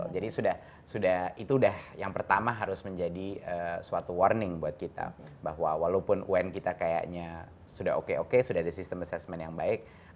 jadi yang pertama harus menjadi suatu warning buat kita bahwa walaupun un kita kayaknya sudah oke oke sudah ada sistem assessment yang baik